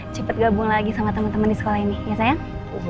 cepet gabung lagi sama temen temen di sekolah ini ya sayang